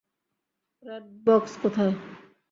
Red box কোথায়?